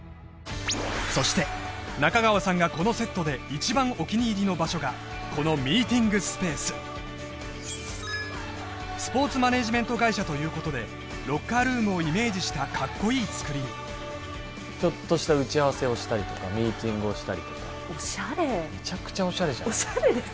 そして中川さんがこのセットで一番お気に入りの場所がこのミーティングスペーススポーツマネージメント会社ということでロッカールームをイメージしたかっこいいつくりにちょっとした打ち合わせをしたりとかミーティングをしたりとかオシャレオシャレです